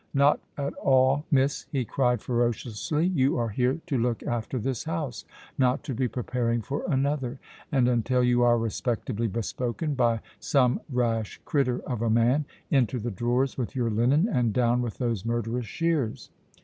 "Not at all, miss," he cried ferociously; "you are here to look after this house, not to be preparing for another, and until you are respectably bespoken by some rash crittur of a man, into the drawers with your linen and down with those murderous shears."